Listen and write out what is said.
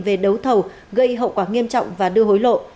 về đấu thầu gây hậu quả nghiêm trọng và đưa hối lộ